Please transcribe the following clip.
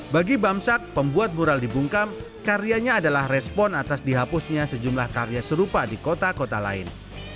bagi bamsak pembuat mural dibungkam karyanya adalah respon atas dihapusnya sejumlah karya serupa di kota kota lain